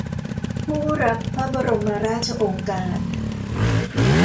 ผู้รับพระบรมราชโองการ